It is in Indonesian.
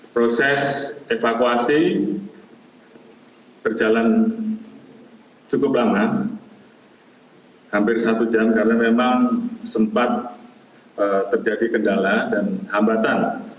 proses evakuasi berjalan cukup lama hampir satu jam karena memang sempat terjadi kendala dan hambatan